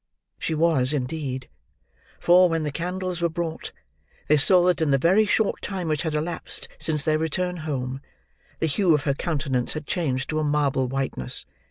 She was, indeed; for, when candles were brought, they saw that in the very short time which had elapsed since their return home, the hue of her countenance had changed to a marble whiteness.